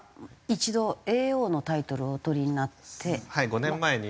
５年前に。